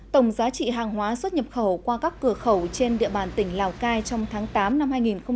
tổng giá trị hàng hóa xuất nhập khẩu qua các cửa khẩu trên địa bàn tỉnh lào cai trong tháng tám năm hai nghìn một mươi chín